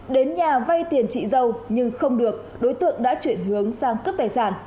đến nhà vay tiền chị dâu nhưng không được đối tượng đã chuyển hướng sang cướp tài sản